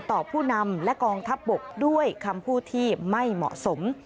ผู้นำและกองทัพบกด้วยคำพูดที่ไม่เหมาะสม